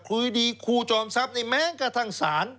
คุยดีครูจอมทรัพย์นี่แม้กระทั่งศาล